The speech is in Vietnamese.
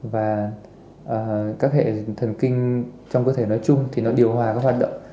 và các hệ thần kinh trong cơ thể nói chung thì nó điều hòa các hoạt động